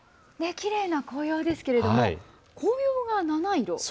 きれいな紅葉ですけれども紅葉が七色。